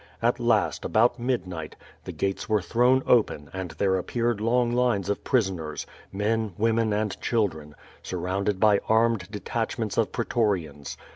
At last, about midnight, the gates were thrown open and there appeared long lines of prisoners, men, women and children, surrounded by armed detachments of pretorians.